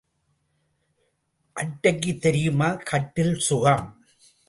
அட்டைக்குத் தெரியுமா கட்டில் சுகம்?